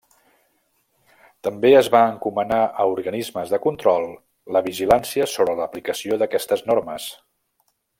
També es va encomanar a Organismes de control la vigilància sobre l'aplicació d'aquestes normes.